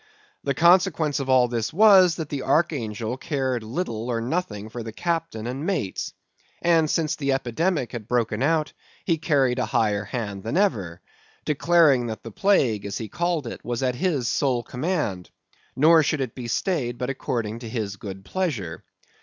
The consequence of all this was, that the archangel cared little or nothing for the captain and mates; and since the epidemic had broken out, he carried a higher hand than ever; declaring that the plague, as he called it, was at his sole command; nor should it be stayed but according to his good pleasure.